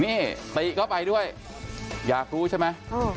นี่ติก็ไปด้วยอยากรู้ใช่ไหม